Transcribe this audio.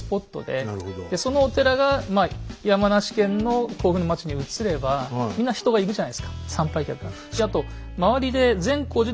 そのお寺が山梨県の甲府の町に移ればみんな人が行くじゃないですか参拝客が。